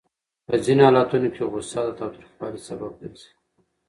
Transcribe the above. په ځینو حالتونو کې غوسه د تاوتریخوالي سبب ګرځي.